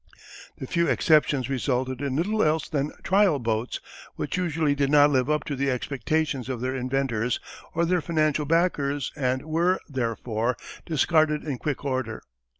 The few exceptions resulted in little else than trial boats which usually did not live up to the expectations of their inventors or their financial backers and were, therefore, discarded in quick order.